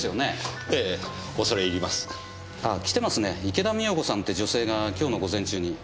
池田美代子さんって女性が今日の午前中に。